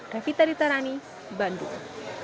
ravita ditarani bandung